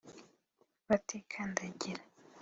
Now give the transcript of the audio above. batikandagira